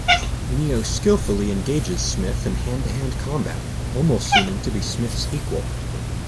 Neo skillfully engages Smith in hand-to-hand combat, almost seeming to be Smith's equal.